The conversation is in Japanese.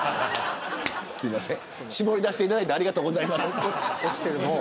絞り出していただいてありがとうございます。